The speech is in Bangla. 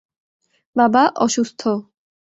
বাবা অসুস্থ।